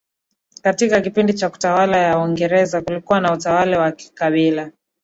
Katika kipindi cha utawala wa Waingereza kulikuwa na utawala wa kikabila